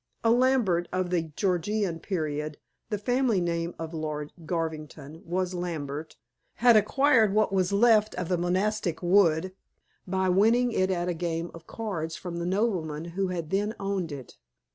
A Lambert of the Georgian period the family name of Lord Garvington was Lambert had acquired what was left of the monastic wood by winning it at a game of cards from the nobleman who had then owned it.